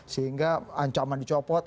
sehingga ancaman dicopot